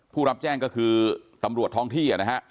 ผู้รับแจ้งก็คือตำรวจท้องที่นะฮะ